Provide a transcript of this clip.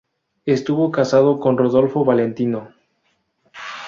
Estuvo casada con Rodolfo Valentino.